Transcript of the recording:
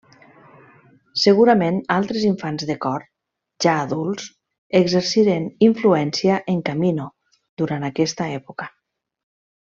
Segurament altres infants de cor, ja adults, exerciren influència en Camino durant aquesta època.